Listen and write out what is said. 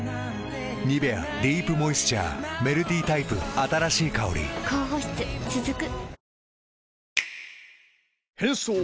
「ニベアディープモイスチャー」メルティタイプ新しい香り高保湿続く。